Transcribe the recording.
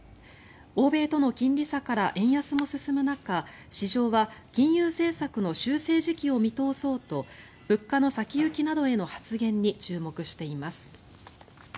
欧米との金利差から円安も進む中市場は金融政策の修正時期を見通そうと物価の先行きなどへの発言に注目しています。